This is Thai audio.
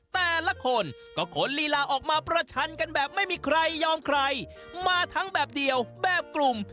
แต่ละคนก็ขนลีลาออกมาประชันกันแบบไม่มีใครยอมใครมาทั้งแบบเดียวแบบกลุ่ม